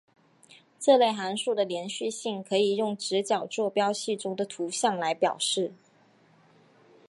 这类函数的连续性可以用直角坐标系中的图像来表示。